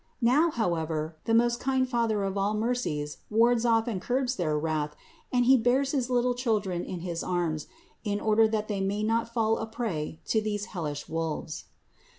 Now however the most kind Father of all mercies wards off and curbs their wrath and He bears his little children in his arms in order that they may not fall a prey to these hellish wolves.